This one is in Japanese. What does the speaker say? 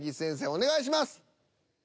お願いします。